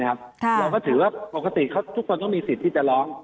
เราก็ถือว่าปกติทุกคนก็มีสิทธิ์ที่จะร้อง